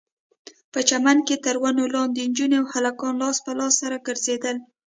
په چمن کښې تر ونو لاندې نجونې او هلکان لاس په لاس سره ګرځېدل.